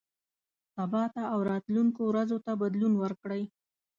سبا ته او راتلونکو ورځو ته بدلون ورکړئ.